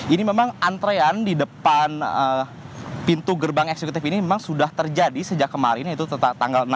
ini memang antrean di depan pintu gerbang eksekutif ini memang sudah terjadi sejak kemarin yaitu tanggal enam